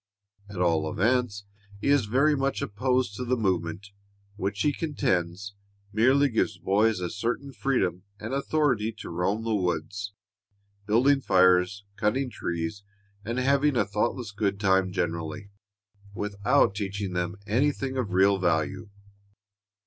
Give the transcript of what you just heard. At all events, he is very much opposed to the movement, which he contends merely gives boys a certain freedom and authority to roam the woods, building fires, cutting trees, and having a thoughtless good time generally, without teaching them anything of real value."